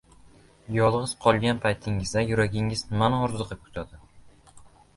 – Yolg‘iz qolgan paytingizda yuragingiz nimani orziqib kutadi?